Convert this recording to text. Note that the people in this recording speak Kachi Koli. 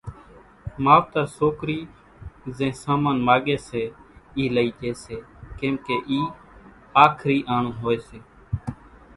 ماوتر سوڪرِي زين سامان ماڳي سي اِي لِي ڄي سي ڪيمڪي اِي آکرِي آڻون ھوئي سي